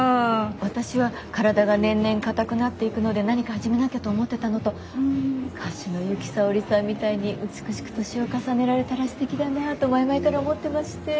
私は体が年々硬くなっていくので何か始めなきゃと思ってたのと歌手の由紀さおりさんみたいに美しく年を重ねられたらすてきだなと前々から思ってまして。